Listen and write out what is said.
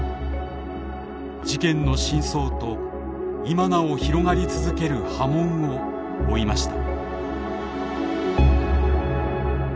事件の深層と今なお広がり続ける波紋を追いました。